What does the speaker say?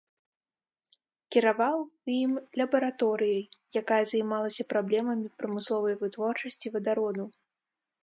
Кіраваў у ім лябараторыяй, якая займалася праблемамі прамысловай вытворчасці вадароду.